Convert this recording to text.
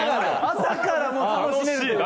朝から楽しめる。